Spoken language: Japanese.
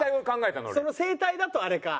その生態だとあれか。